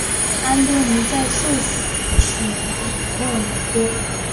安多尼在受洗取名福尔南多。